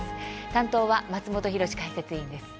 担当は松本浩司解説委員です。